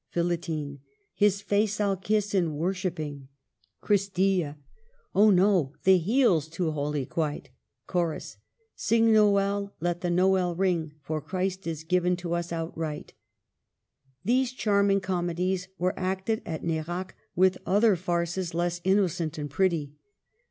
Philitine. His face I '11 kiss, in worshipping. Christilla. Ah no, the heel 's too holy, quite. Chorics. Sing Nowelly let the Nowell ring, For Christ is give?i to tis outright. These charming comedies were acted at Nerac, with other farces less innocent and pretty.